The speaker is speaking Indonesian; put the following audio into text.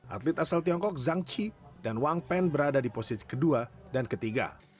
atlet asal tiongkok zhang chi dan wang pen berada di posisi kedua dan ketiga